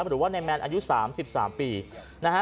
หรือว่านายแมนอายุสามสิบสามปีนะฮะ